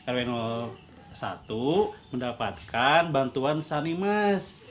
rw satu mendapatkan bantuan sani mas